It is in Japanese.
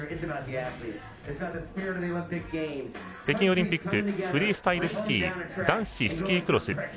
北京オリンピックフリースタイルスキー男子スキークロス。